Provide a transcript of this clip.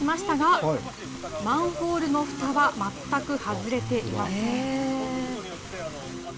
勢いよく水が噴き出しましたがマンホールのふたは全く外れていません。